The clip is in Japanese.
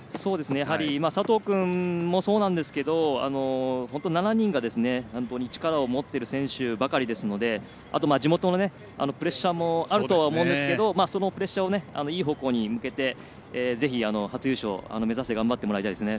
佐藤君もそうなんですけど７人が力を持っている選手ばかりですのであと、地元のプレッシャーもあるとは思うんですけどそのプレッシャーをいい方向に向けてぜひ、初優勝を目指して頑張ってもらいたいですね。